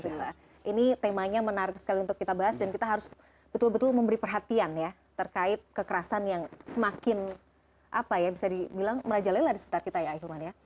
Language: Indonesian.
ini temanya menarik sekali untuk kita bahas dan kita harus betul betul memberi perhatian ya terkait kekerasan yang semakin apa ya bisa dibilang merajalela di sekitar kita ya ahilman ya